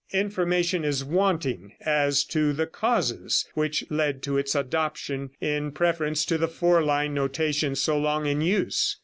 Information is wanting as to the causes which led to its adoption in preference to the four line notation so long in use.